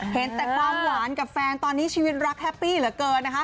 เห็นแต่ความหวานกับแฟนตอนนี้ชีวิตรักแฮปปี้เหลือเกินนะคะ